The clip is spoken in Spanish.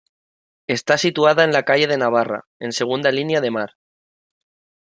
Está situada en la Calle de Navarra, en segunda línea de mar.